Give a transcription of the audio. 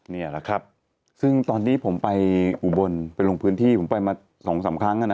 นี่แหละครับซึ่งตอนที่ผมไปอุบลไปลงพื้นที่ผมไปมา๒๓ครั้งแล้วนะ